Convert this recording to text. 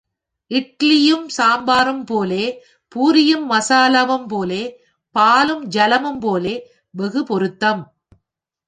இட்டலியும் சாம்பாரும் போலே, பூரியும் மசாலாவும் போலே, பாலும் ஜலமும் போலே, வெகு பொருத்தம்.